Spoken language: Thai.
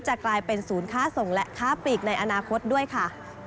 กลายเป็นศูนย์ค้าส่งและค้าปีกในอนาคตด้วยค่ะ